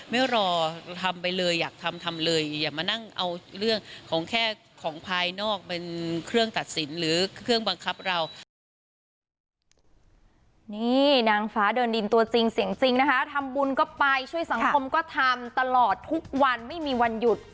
ไม่รอทำไปเลยอยากทำทำเลยอย่ามานั่งเอาเรื่องของแค่ของภายนอกเป็นเครื่องตัดสินหรือเครื่องบังคับเรา